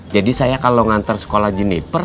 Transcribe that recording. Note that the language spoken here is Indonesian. jadi saya kalau ngantar sekolah jeniper